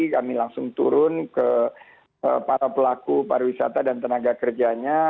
kami langsung turun ke para pelaku pariwisata dan tenaga kerjanya